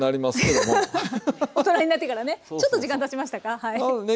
大人になってからねちょっと時間たちましたかはい。